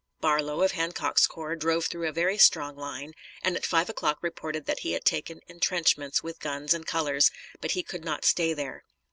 Barlow, of Hancock's corps, drove through a very strong line, and at five o'clock reported that he had taken intrenchments with guns and colors, but he could not stay there.